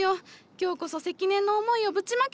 今日こそ積年の思いをぶちまけて。